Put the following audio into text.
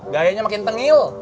gayanya makin tengil